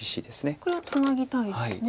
これはツナぎたいですね。